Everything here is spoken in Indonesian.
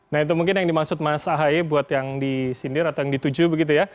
nah itu mungkin yang dimaksud mas a hai buat yang di sindir atau yang di tujuh begitu ya